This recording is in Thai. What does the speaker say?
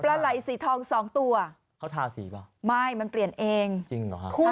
ปลาไหล่สีทองสองตัวเขาทาสีป่ะไม่มันเปลี่ยนเองจริงเหรอฮะคุณ